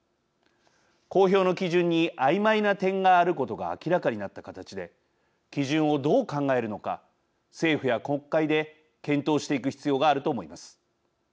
公表の基準にあいまいな点があることが明らかになった形で基準をどう考えるのか政府や国会で検討していく必要があると思います。